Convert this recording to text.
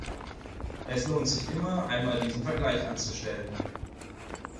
Es lohnt sich immer, einmal diesen Vergleich anzustellen.